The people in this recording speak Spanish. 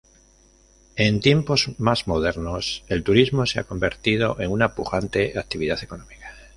En tiempos más modernos el turismo se ha convertido en una pujante actividad económica.